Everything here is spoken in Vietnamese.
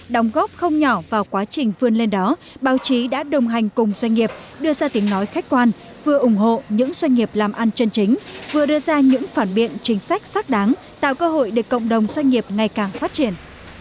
đồng góp không nhỏ vào quá trình vươn lên đó báo chí đã đồng hành cùng doanh nghiệp đưa ra tiếng nói khách quan vừa ủng hộ những doanh nghiệp làm ăn chân chính vừa đưa ra những phản biện chính sách xác đáng tạo cơ hội để cộng đồng doanh nghiệp ngày càng phát triển